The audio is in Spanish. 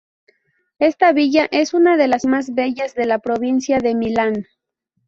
Esta villa es una de la más bellas de la provincia de Milán.